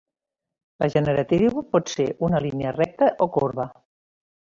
La generatriu pot ser una línia recta o corba.